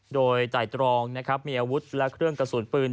โดยใจตรองมีอาวุธและเครื่องกระสุนปืน